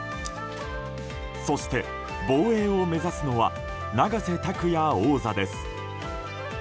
そして、防衛を目指すのは永瀬拓矢王座です。